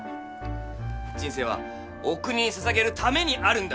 「人生はお国に捧げるためにあるんだ」